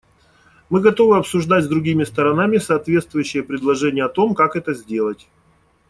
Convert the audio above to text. Мы готовы обсуждать с другими сторонами соответствующие предложения о том, как это сделать.